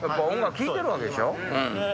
音楽聴いてるわけでしょ？